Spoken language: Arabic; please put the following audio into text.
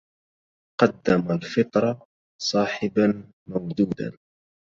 قدم الفطر صاحبا مودودا